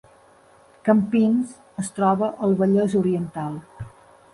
Campins es troba al Vallès Oriental